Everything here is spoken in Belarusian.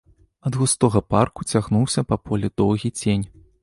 Ад густога парку цягнуўся па полі доўгі цень.